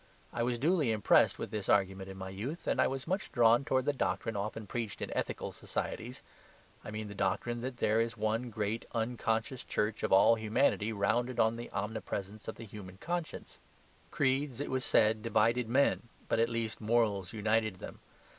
I was duly impressed with this argument in my youth, and I was much drawn towards the doctrine often preached in Ethical Societies I mean the doctrine that there is one great unconscious church of all humanity founded on the omnipresence of the human conscience. Creeds, it was said, divided men; but at least morals united them.